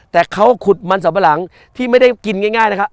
แต่เขาขุดมันสัมปะหลังที่ไม่ได้กินง่ายนะครับ